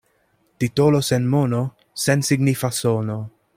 Titolo sen mono — sensignifa sono.